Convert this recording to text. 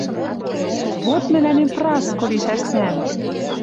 «Вот мӹлӓнем Праско лишӓш тӓнг!